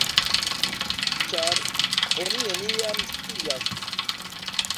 Ĉar oni neniam scias!